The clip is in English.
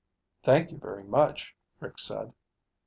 "Thank you very much," Rick said.